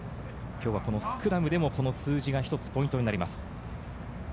今日はこのスクラムでも数字が一つポイントになります。